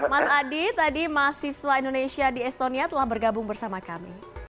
mas adi tadi mahasiswa indonesia di estonia telah bergabung bersama kami